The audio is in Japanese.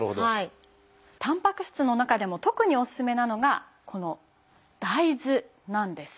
たんぱく質の中でも特におすすめなのがこの大豆なんです。